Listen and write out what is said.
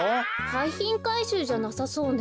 はいひんかいしゅうじゃなさそうね。